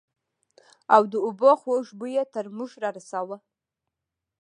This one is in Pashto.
او د اوبو خوږ بوى يې تر موږ رارساوه.